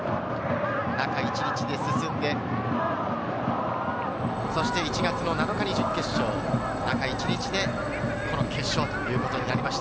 中１日で進んで、１月の７日に準決勝、中１日でこの決勝ということになりました。